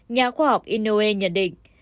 nhà khoa học inoue nhận định